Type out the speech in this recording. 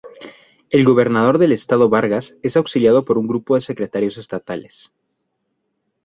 El Gobernador del Estado Vargas es auxiliado por un grupo Secretarios Estadales.